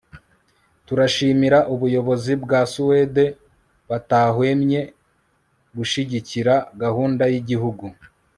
turashimira ubuyobozi bwa suwede batahwemye gushyigikira gahunda y'igihugu